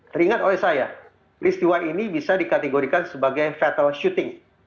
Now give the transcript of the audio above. teringat oleh saya peristiwa ini bisa dikategorikan sebagai fatal syuting